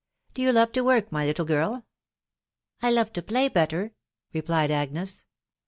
Do you love to work, my little girl." I love to play better," replied Agnes.